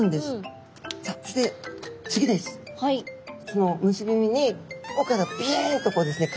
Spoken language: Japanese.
その結び目に尾からびんとこうですね